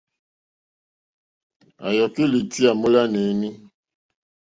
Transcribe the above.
À yɔ̀kí ìtyá mólánè éní.